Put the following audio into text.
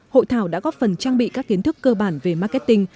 hội thảo đã góp phần trang bị các kiến thức cơ bản về marketing